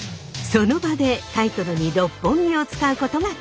その場でタイトルに「六本木」を使うことが決定。